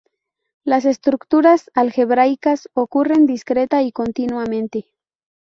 Las estructuras algebraicas ocurren discreta y continuamente.